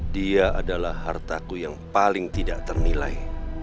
dia adalah hartaku yang paling tidak ternilai